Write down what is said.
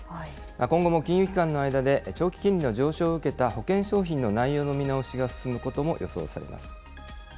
今後も金融機関の間で、長期金利の上昇を受けた、保険商品の内容の見直しが進むことも予想されます。